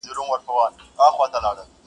په نارو هم كليوال او هم ښاريان سول!!